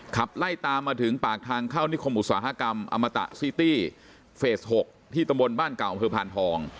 ขับไล่ตามมาถึงปากทางเข้านิคมอุตสาหกรรมอมตะซีตี้เฟส๖ที่ตำบลบ้านเก่าอำเภอพานทอง